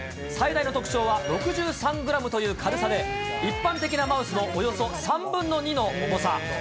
最大の特徴は６３グラムという軽さで、一般的なマウスのおよそ３分の２の重さ。